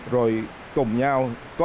rồi cùng nhau